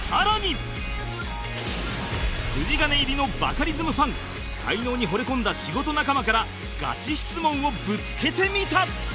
筋金入りのバカリズムファン才能にほれ込んだ仕事仲間からガチ質問をぶつけてみた